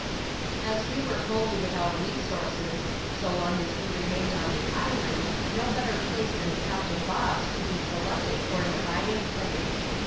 As we were wholly without resources, so long as we r^ mained on the island no better place than Captain Bob's oouli be selected for an abiding place.